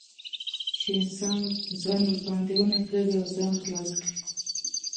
چې انسان ځان ور باندې ونښلوي او ځان خلاص کړي.